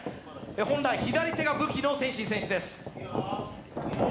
本来左手が武器の天心選手です。